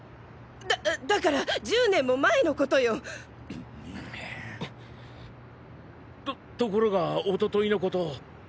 だだから１０年も前のことよ！とところがおとといのこと